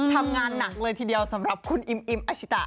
ทำงานหนักเลยทีเดียวสำหรับคุณอิมอิมอาชิตะ